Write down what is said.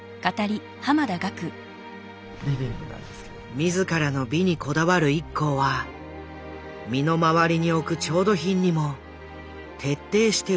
自らの美にこだわるＩＫＫＯは身の回りに置く調度品にも徹底して美しさを求める。